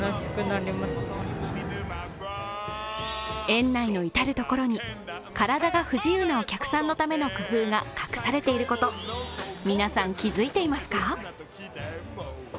園内のいたるところに、体が不自由なお客さんのための工夫が隠されていること皆さん、気付いていますか？